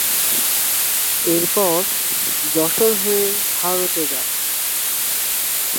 এরপর যশোর হয়ে ভারতে যান।